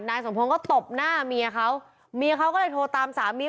นายสมพงศ์ก็ตบหน้าเมียเขาเมียเขาก็เลยโทรตามสามี